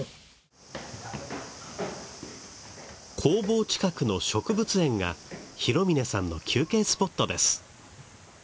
工房近くの植物園が弘峰さんの休憩スポットです。